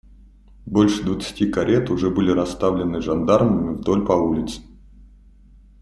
Больше двадцати карет уже были расставлены жандармами вдоль по улице.